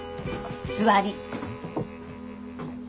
座り。